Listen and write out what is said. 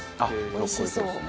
おいしそう。